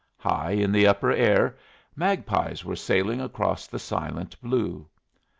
High in the upper air, magpies were sailing across the silent blue.